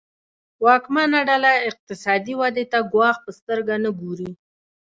واکمنه ډله اقتصادي ودې ته ګواښ په سترګه نه ګوري.